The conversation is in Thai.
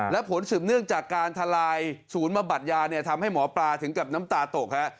และผลสืบเนื่องจากการทลายศูนย์บำบัดยาเนี่ยทำให้หมอปลาถึงกับน้ำตาตกฮะ